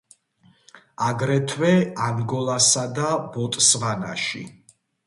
აგრეთვე, ანგოლასა და ბოტსვანაში.